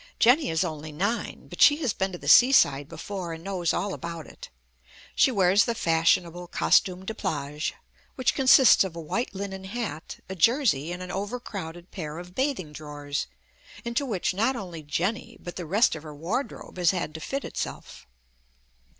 Jenny is only nine, but she has been to the seaside before and knows all about it. She wears the fashionable costume de plage, which consists of a white linen hat, a jersey and an overcrowded pair of bathing drawers, into which not only Jenny, but the rest of her wardrobe, has had to fit itself.